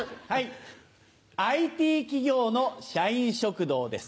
ＩＴ企業の社員食堂です。